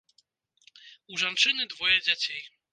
У жанчыны двое дзяцей.